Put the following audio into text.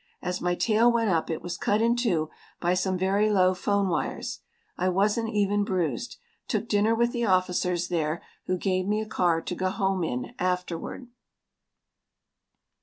As my tail went up it was cut in two by some very low 'phone wires. I wasn't even bruised. Took dinner with the officers there who gave me a car to go home in afterward.